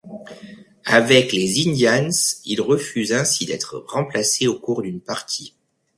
Avec les Indians, il refuse ainsi d'être remplacé au cours d'une partie.